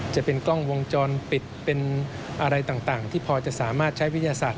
จะเป็นกล้องวงจรปิดเป็นอะไรต่างที่พอจะสามารถใช้วิทยาศาสต